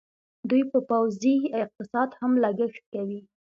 دوی په پوځي اقتصاد هم لګښت کوي.